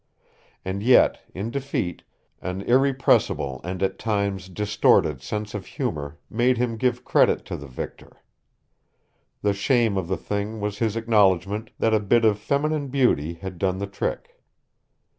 And yet, in defeat, an irrepressible and at times distorted sense of humor made him give credit to the victor. The shame of the thing was his acknowledgment that a bit of feminine beauty had done the trick.